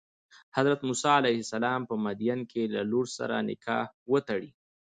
حضرت موسی علیه السلام په مدین کې له لور سره نکاح وتړي.